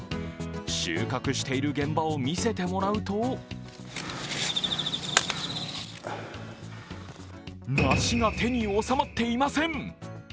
収穫している現場を見せてもらうと梨が手に収まっていません。